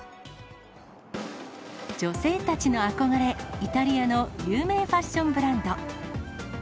女性たちの憧れ、イタリアの有名ファッションブランド。